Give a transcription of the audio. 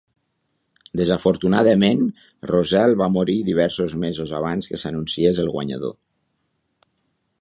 Desafortunadament, Roselle va morir diversos mesos abans que s'anunciés el guanyador.